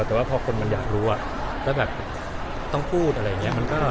แต่ว่าพอคนมันอยากรู้แล้วแบบต้องพูดอะไรอย่างนี้